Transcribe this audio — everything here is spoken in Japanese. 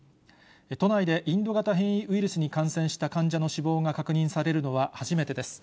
都内でインド型変異ウイルスに感染した患者の死亡が確認されるのは初めてです。